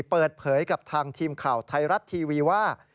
เปิดเผยกับทางทีมข่าวไทยรัฐทีวีว่า